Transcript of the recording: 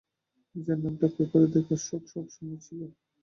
নিজের নামটা পেপারে দেখার শখ সবসময়েই ছিল আমার।